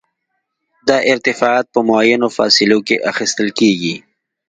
دا ارتفاعات په معینو فاصلو کې اخیستل کیږي